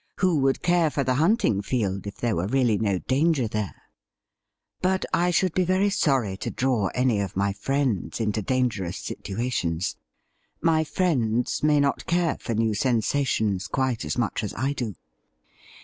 Who would care for the hunting field if there were really no danger there ? But I should be very sorry to draw any of my friends into dangerous situations. My friends may not care for new sensations quite as much as I do.'